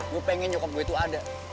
gue pengen nyokop gue itu ada